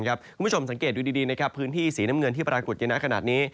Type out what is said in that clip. คุณผู้ชมสังเกตดูดีพื้นที่สีน้ำเงินที่ปรากฎเยมะนี้